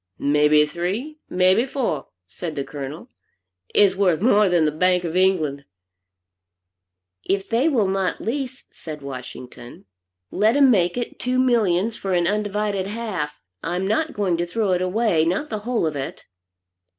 "May be three, may be four," said the Colonel, "it's worth more than the bank of England." "If they will not lease," said Washington, "let 'em make it two millions for an undivided half. I'm not going to throw it away, not the whole of it."